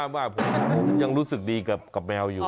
ว่าผมยังรู้สึกดีกับแมวอยู่